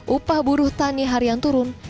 upah buruh tani hari yang turun